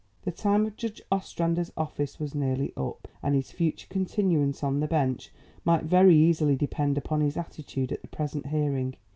The time of Judge Ostrander's office was nearly up, and his future continuance on the bench might very easily depend upon his attitude at the present hearing.